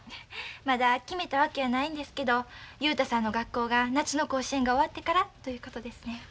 まだ決めたわけやないんですけど雄太さんの学校が夏の甲子園が終わってからということですねん。